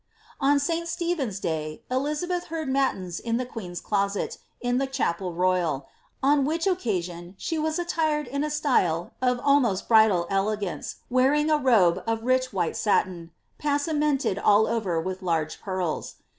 ()n St. Stephen^s day, Elizabeth heard matins in the queen^s closet, in the chapel royal, on which occasion she was attired in a style of almost bridal elegance, wearing a robe of rich white satin, passamented all over with large pearls.